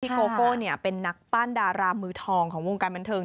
โกโก้เป็นนักปั้นดารามือทองของวงการบันเทิง